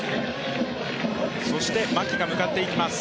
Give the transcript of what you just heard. そして、牧が向かっていきます。